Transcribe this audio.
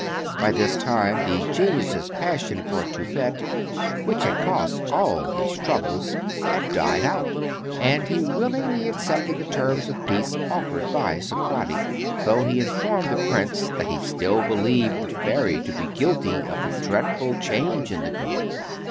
By this time the genius's passion for Toupette, which had caused all these troubles, had died out, and he willingly accepted the terms of peace offered by Zeprady, though he informed the prince that he still believed the fairy to be guilty of the dreadful change in the girl.